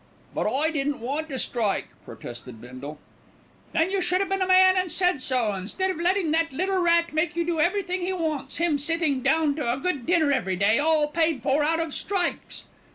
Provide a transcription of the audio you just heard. "But I didn't want to strike," protested Bindle. "Then you should have been a man and said so, instead of letting that little rat make you do everything he wants, him sitting down to a good dinner every day, all paid for out of strikes."